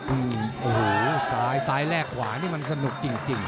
โอ้โหซ้ายซ้ายแลกขวานี่มันสนุกจริง